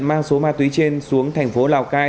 mang số ma túy trên xuống thành phố lào cai